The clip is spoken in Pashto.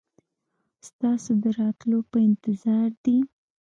ستاسو د راتلو په انتظار دي.